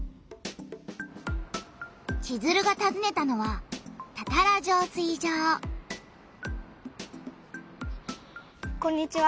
チズルがたずねたのはこんにちは。